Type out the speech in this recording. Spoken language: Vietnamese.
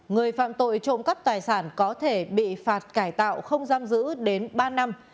người phạm tội trộm cắp tài sản có thể bị phạt cải tạo không giam giữ đến ba năm